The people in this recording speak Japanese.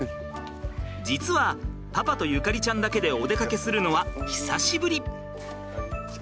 実はパパと縁ちゃんだけでお出かけするのは久しぶり。